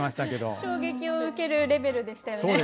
衝撃を受けるレベルでしたよね。